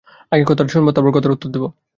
আগে কথাটা শুনবো, তারপর কথার উত্তর দেবো।